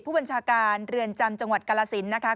ผู้บัญชาการเรือนจำจังหวัดกรสินนะคะ